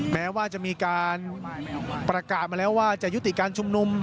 แม้ว่าจะมีการประกาศมาแล้วว่าจะยุติการชุมนุม